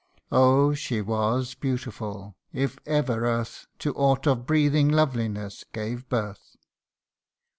Oh ! she was beautiful ! if ever earth To aught of breathing loveliness gave birth.